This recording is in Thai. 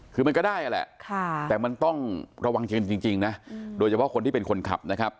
คือมันก็ได้นั่นแหละแต่มันต้องระวังจริงนะโดยเฉพาะคนที่เป็นคนขับนะครับ